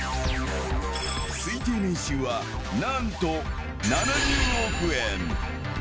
推定年収はなんと７０億円。